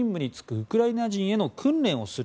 ウクライナ人への訓練をする